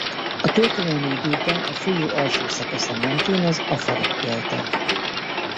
A történelmi időkben a folyó alsó szakasza mentén az afarok éltek.